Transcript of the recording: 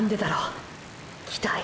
期待？